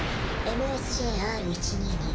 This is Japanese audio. ＭＳＪ−Ｒ１２２